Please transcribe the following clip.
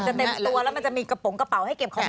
จะเต็มตัวและมีกระเป๋าให้เก็บของรับ